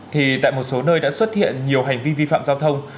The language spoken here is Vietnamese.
thì tại một số nơi đã xuất hiện nhiều hành vi vi phạm giao thông